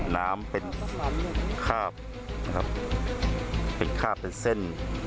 น้ำเป็นฆาตเป็นเส้น